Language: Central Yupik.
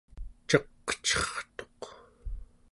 ceqcertuq